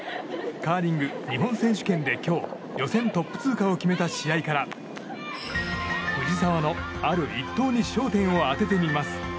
カーリング日本選手権で今日予選トップ通過を決めた試合から藤澤のある一投に焦点を当ててみます。